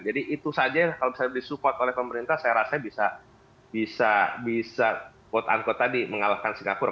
jadi itu saja kalau bisa disupport oleh pemerintah saya rasa bisa bisa bisa quote unquote tadi mengalahkan singapura